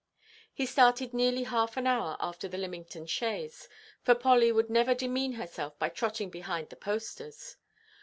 He started nearly half an hour after the Lymington chaise, for Polly would never demean herself by trotting behind the "posters."